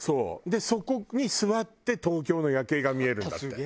でそこに座って東京の夜景が見えるんだって。